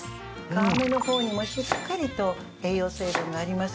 皮目の方にもしっかりと栄養成分があります